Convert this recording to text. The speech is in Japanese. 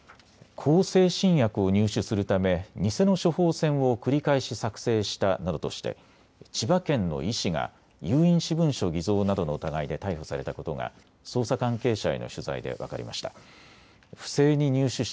向精神薬を入手するため偽の処方箋を繰り返し作成したなどとして千葉県の医師が有印私文書偽造などの疑いで逮捕されたことが捜査関係者への取材で分かりました。